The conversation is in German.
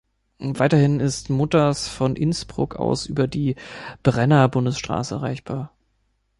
Weiterhin ist Mutters von Innsbruck aus über die Brenner-Bundesstraße erreichbar.